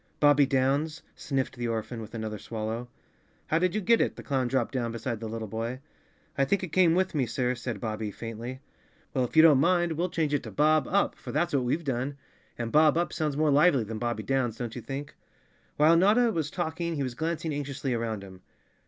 "Bobbie Downs," sniffed the orphan, with another swallow. "How did you get it?" The clown dropped down beside the little boy. "I think it came with me, sir," said Bobbie faintly. "Well, if you don't mind, we'll change it to Bob Up —for that's what we've done—and Bob Up sounds more lively than Bobbie Downs, don't you think?" While Notta was talking he was glancing anxiously around him.